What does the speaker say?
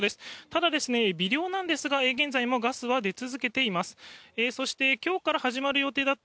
ただ、微量なんですが現在もガスは出続けています。